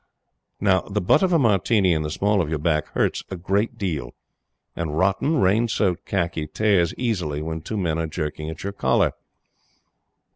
Now the butt of a Martini in the small of your back hurts a great deal, and rotten, rain soaked khaki tears easily when two men are jerking at your collar.